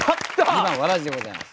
２番「わらぢ」でございます。